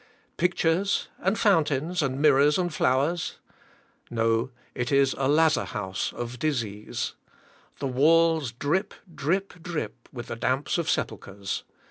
Pictures and fountains, and mirrors and flowers? No: it is a lazar house of disease. The walls drip, drip, drip with the damps of sepulchres.